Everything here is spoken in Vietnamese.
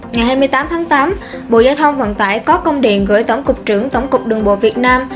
ngày hai mươi tám tháng tám bộ giao thông vận tải có công điện gửi tổng cục trưởng tổng cục đường bộ việt nam